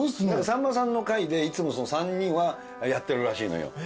さんまさんの会でいつもその３人はやってるらしいのよ。